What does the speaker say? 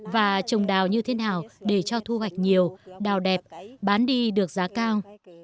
và trồng đào như thế nào để cho thu hoạch nhiều đào đẹp bán đi được giá cao